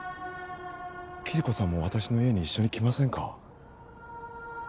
キリコさんも私の家に一緒に来ませんか？